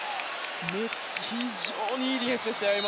非常にいいディフェンスでした。